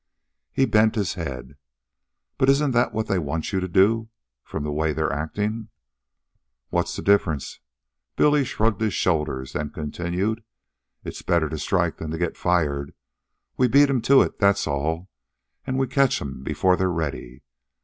He bent his head. "But isn't that what they want you to do? from the way they're acting?" "What's the difference?" Billy shrugged his shoulders, then continued. "It's better to strike than to get fired. We beat 'em to it, that's all, an' we catch 'em before they're ready.